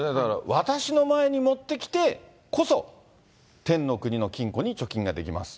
私の前に持ってきてこそ、天の国の金庫に貯金ができます。